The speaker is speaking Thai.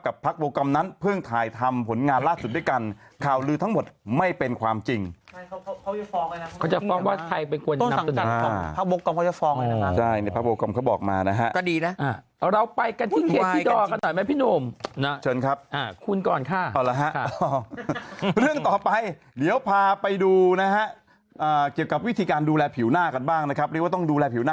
กับพลักษณ์โปรกรมเติมผมงานราชสุดด้วยกันข่าวลือ